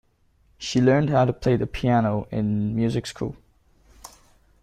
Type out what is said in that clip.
She learned how to play the piano in music school.